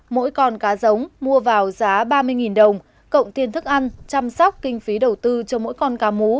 mỗi con cá giống mua vào giá ba mươi đồng cộng tiền thức ăn chăm sóc kinh phí đầu tư cho mỗi con cá mú